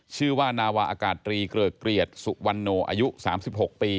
ชื่อว่านาวาอากาศตรีเกริกเกลียดสุวรรณโนอายุ๓๖ปี